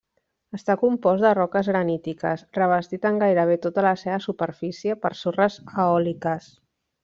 Està compost de roques granítiques, revestit en gairebé tota la seva superfície per sorres eòliques.